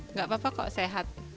nggak apa apa kok sehat